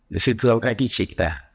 để xin thưa các anh chị chị ta